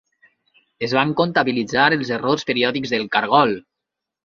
Es van comptabilitzar els errors periòdics del cargol.